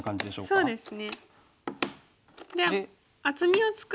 そうですね。